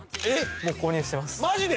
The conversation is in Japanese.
もう購入してますマジで？